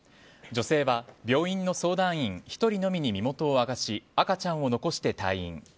女性は、病院の相談員１人のみに身元を明かし赤ちゃんを残して退院。